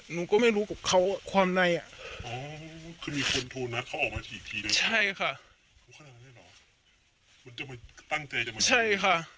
หนูก็ไม่รู้กับเขาความในอ่ะอ๋อคือมีคนโทรนัดเขาออกมาทีอีกที